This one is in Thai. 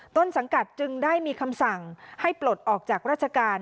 ต้นสังกัดจึงได้มีคำสั่งให้ปลดออกจากราชการ